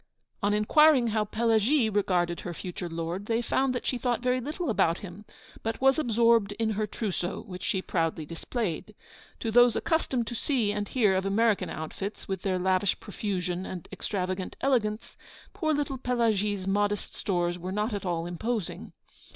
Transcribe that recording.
On inquiring how Pelagie regarded her future lord, they found that she thought very little about him, but was absorbed in her trousseau, which she proudly displayed. To those accustomed to see and hear of American outfits, with their lavish profusion and extravagant elegance, poor little Pelagie's modest stores were not at all imposing.